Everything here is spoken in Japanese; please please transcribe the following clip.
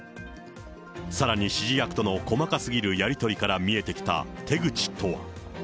さらに指示役との細かすぎるやり取りから見えてきた手口とは。